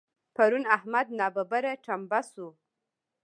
پرون احمد ناببره ټمبه شو.